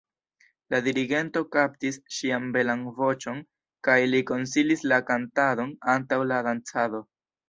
La dirigento kaptis ŝian belan voĉon kaj li konsilis la kantadon antaŭ la dancado.